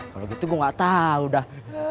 kalau gitu gue gak tau dah